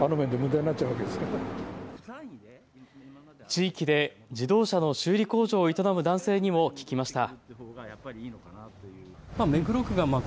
地域で自動車の修理工場を営む男性にも聞きました。